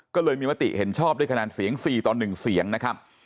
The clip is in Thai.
ก็เลยมีมติเห็นชอบด้วยคะแนนเสียง๔ต่อ๑เสียงนะครับ